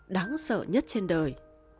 đáng sợ nhất trên đời